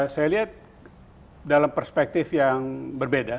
saya lihat dalam perspektif yang berbeda